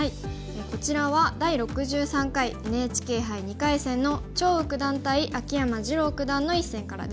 こちらは第６３回ＮＨＫ杯２回戦の張栩九段対秋山次郎九段の一戦からです。